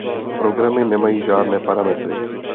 Programy nemají žádné parametry.